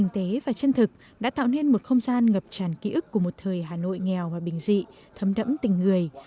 tạo nên một không gian ngập tràn ký ức của một thời hà nội nghèo và bình dị thấm đẫm tình người